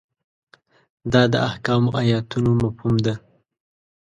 دا د احکامو ایتونو مفهوم ده.